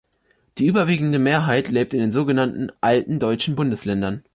Die überwiegende Mehrheit lebt in den sogenannten alten deutschen Bundesländern.